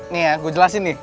nih ya gua jelasin nih